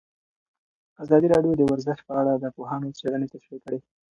ازادي راډیو د ورزش په اړه د پوهانو څېړنې تشریح کړې.